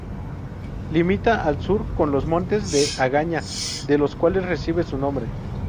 Limita al sur con los Montes de Agaña, de los cuales recibe su nombre.